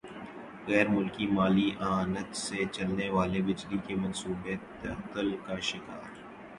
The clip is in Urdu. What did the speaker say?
غیر ملکی مالی اعانت سے چلنے والے بجلی کے منصوبے تعطل کا شکار